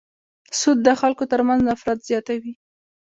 سود د خلکو تر منځ نفرت زیاتوي.